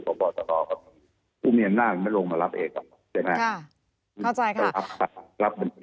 กปฎกพูมีเนินหน้านั้นลงมารับเอกใช่ไหมครับ